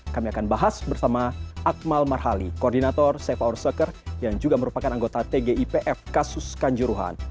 kami akan bahas bersama akmal marhali koordinator safe our soccer yang juga merupakan anggota tgipf kasus kanjuruhan